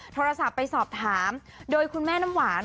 โทรศัพท์ไปสอบถามโดยคุณแม่น้ำหวาน